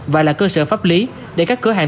và là cơ sở pháp lý để các cửa hàng